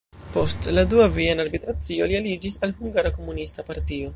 Post la Dua Viena Arbitracio li aliĝis al hungara komunista partio.